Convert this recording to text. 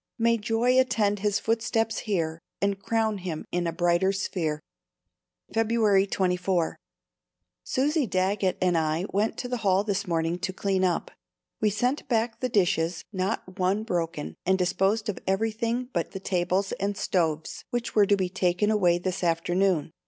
May joy attend his footsteps here And crown him in a brighter sphere." February 24. Susie Daggett and I went to the hall this morning to clean up. We sent back the dishes, not one broken, and disposed of everything but the tables and stoves, which were to be taken away this afternoon.